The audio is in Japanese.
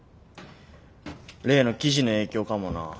例の記事の影響かもな。